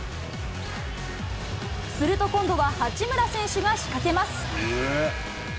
すると、今度は八村選手が仕掛けます。